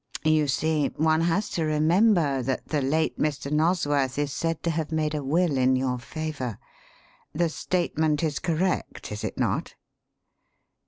You see, one has to remember that the late Mr. Nosworth is said to have made a will in your favour. The statement is correct, is it not?"